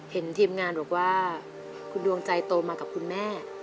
ทีมงานบอกว่าคุณดวงใจโตมากับคุณแม่